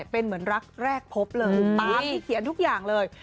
เป็นเหมือนรักแรกพบเลยตามที่เขียนทุกอย่างเลย